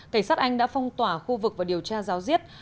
cảnh sát anh đã phong tỏa khu vực và điều tra ráo riết